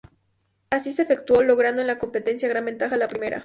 Así se efectuó, logrando en la competencia gran ventaja la primera.